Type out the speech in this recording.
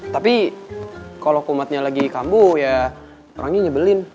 tapi kalau kumatnya lagi kambuh ya orangnya nyebelin